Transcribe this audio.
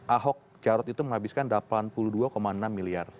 ahok jarot itu menghabiskan delapan puluh dua enam miliar